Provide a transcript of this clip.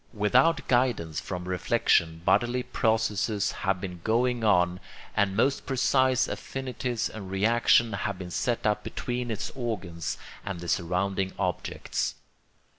Without guidance from reflection bodily processes have been going on, and most precise affinities and reactions have been set up between its organs and the surrounding objects.